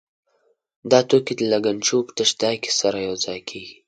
دا توکي د لګنچو په تش ځای کې سره یو ځای کېږي.